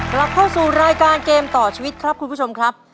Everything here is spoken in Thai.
กลับเข้าสู่รายการเกมต่อชีวิตครับคุณผู้ชมครับ